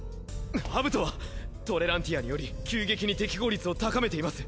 アブトはトレランティアにより急激に適合率を高めています。